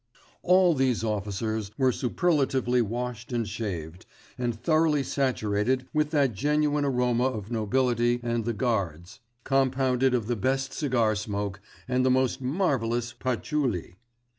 All these officers were superlatively washed and shaved, and thoroughly saturated with that genuine aroma of nobility and the Guards, compounded of the best cigar smoke, and the most marvellous patchouli.